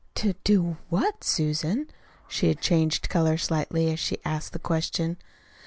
"To do what, Susan?" She had changed color slightly, as she asked the question.